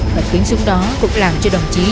và tiếng súng đó cũng làm cho đồng chí